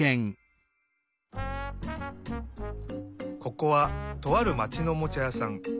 ここはとあるまちのおもちゃやさん。